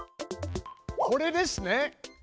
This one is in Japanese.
これですね！